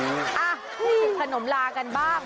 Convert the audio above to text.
พูดขนมลากันบ้าง